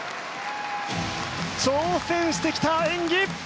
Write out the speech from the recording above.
挑戦してきた演技！